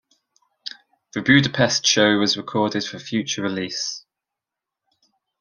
The Budapest show was recorded for future release.